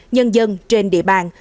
nhân dân trên địa bàn